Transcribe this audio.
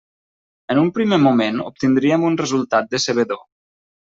En un primer moment obtindríem un resultat decebedor.